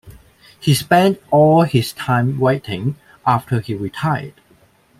He spent all his time writing after he retired.